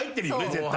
絶対。